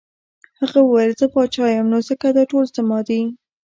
هغه وویل زه پاچا یم نو ځکه دا ټول زما دي.